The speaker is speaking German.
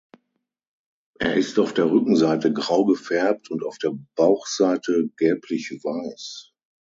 Er ist auf der Rückenseite grau gefärbt und auf der Bauchseite gelblichweiß.